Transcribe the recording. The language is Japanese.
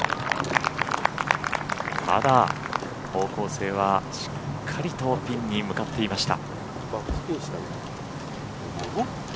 ただ方向性はしっかりとピンに向かっていました。